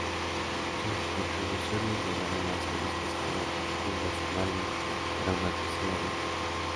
Sus contribuciones llegaron a ser vistas como fundacionales para una tercera vía.